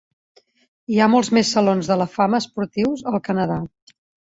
Hi ha molts més salons de la fama esportius al Canadà.